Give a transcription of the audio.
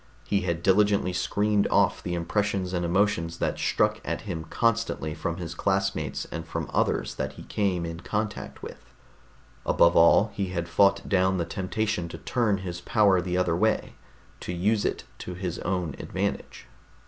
He had diligently screened off the impressions and emotions that struck at him constantly from his classmates and from others that he came in contact with. Above all, he had fought down the temptation to turn his power the other way, to use it to his own advantage.